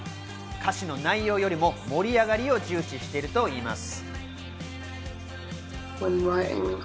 歌詞の内容よりも盛り上がりを重視しているといいます。